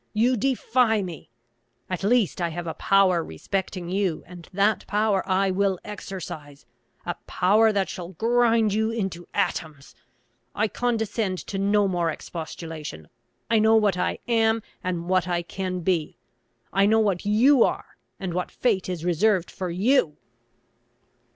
You defy me! At least I have a power respecting you, and that power I will exercise; a power that shall grind you into atoms. I condescend to no more expostulation. I know what I am, and what I can be. I know what you are, and what fate is reserved for you!"